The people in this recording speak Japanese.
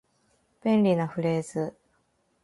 便利なフレーズ